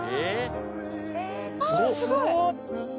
すごい！